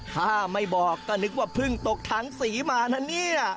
ถ้าไม่บอกก็นึกว่าเพิ่งตกถังสีมานะเนี่ย